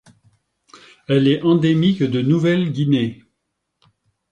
Elle est endémique de Nouvelle-Guinée.